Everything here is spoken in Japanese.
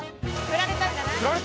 フラれたんじゃない？